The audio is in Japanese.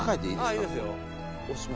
いいですよ。